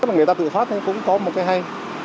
các bạn người ta tự phát thì cũng có một cái hay